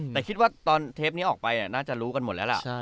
แต่คิดว่าตอนเทปนี้ออกไปน่าจะรู้กันหมดแล้วล่ะ